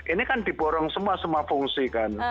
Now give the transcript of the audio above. ini kan diborong semua semua fungsi kan